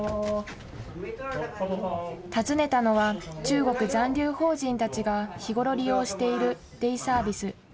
訪ねたのは、中国残留邦人たちが日頃利用しているデイサービス。